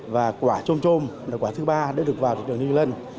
và quả trôm trôm là quả thứ ba đã được vào thị trường new zealand